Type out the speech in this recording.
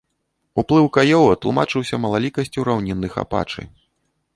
Уплыў каёва тлумачыўся малалікасцю раўнінных апачы.